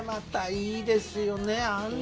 いいですよね